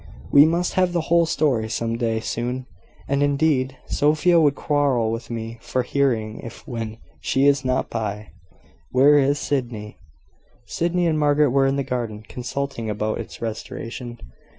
We must have the whole story, some day soon; and, indeed, Sophia would quarrel with me for hearing it when she is not by. Where is Sydney?" Sydney and Margaret were in the garden, consulting about its restoration.